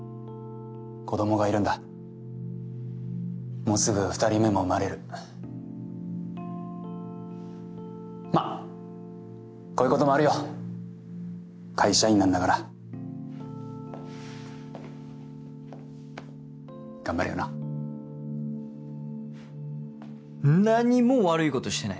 子供がいるんだもうすぐ２人目も生まれるまぁこういうこともあるよ会社員なんだから頑張れよな何も悪いことしてない。